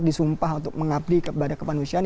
disumpah untuk mengabdi kepada kemanusiaan